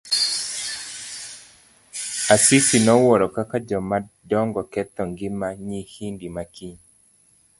Asisi nowuoro kaka joma dongo ketho ngima nyihindi makiny.